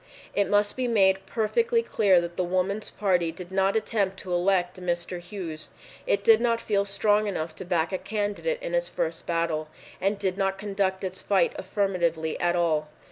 It must be made perfectly clear that the Woman's Party did not attempt to elect Mr. Hughes. It did not feel strong enough to back a candidate in its first battle, and did not conduct its fight affirmatively at all.